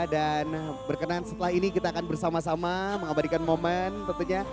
dan berkenan setelah ini kita akan bersama sama mengabadikan momen tentunya